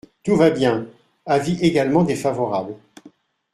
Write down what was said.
Tout va bien ! Avis également défavorable.